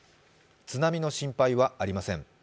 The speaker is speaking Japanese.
津波の心配はありません。